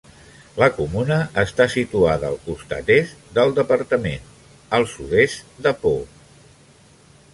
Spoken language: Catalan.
La comuna està situada al costat est del departament, al sud-est de Pau.